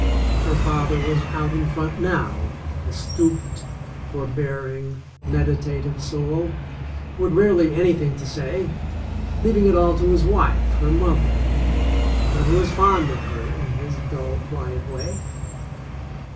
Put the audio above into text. Her father was out in front now, a stooped, forbearing, medita tive soul, who had rarely anything to say — leaving it all to his wife, her mother, but who was fond of her in his dull, quiet way.